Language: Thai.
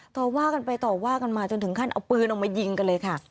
ต่อว่ากันไปต่อว่ากันมาจนถึงขั้นเอาปืนออกมายิงกันเลยค่ะ